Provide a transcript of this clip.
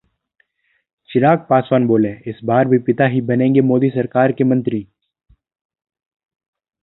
चिराग पासवान बोले- इस बार भी पिता ही बनेंगे मोदी सरकार में मंत्री